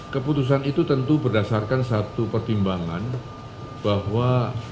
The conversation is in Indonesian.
keputusan itu tentu berdasarkan satu pertimbangan bahwa